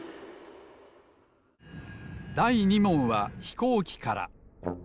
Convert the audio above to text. だい２もんはひこうきから。